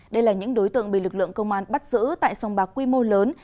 đây là những đối tượng bị lực lượng công an bắt giữ tại sông bạc quy mô lớn